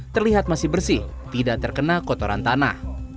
terlihat masih bersih tidak terkena kotoran tanah